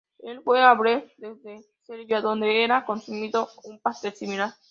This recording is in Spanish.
Él fue a Bled desde Serbia donde era consumido un pastel similar.